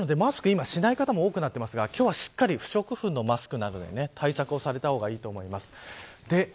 今はマスクしない方も多くなっていますが今日はしっかり不織布のマスクで対策をされた方がいいです。